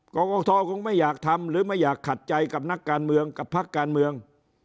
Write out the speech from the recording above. กรกทคงไม่อยากทำหรือไม่อยากขัดใจกับนักการเมืองกับพักการเมือง